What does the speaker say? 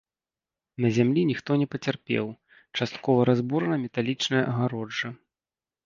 На зямлі ніхто не пацярпеў, часткова разбурана металічная агароджа.